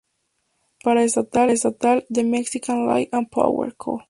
La paraestatal "The Mexican Light and Power, Co.